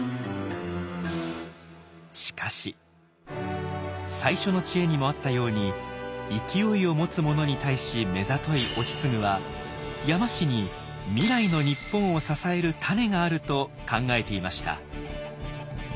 しかし最初の知恵にもあったように勢いを持つ者に対し目ざとい意次は山師に未来の日本を支えるタネがあると考えていました。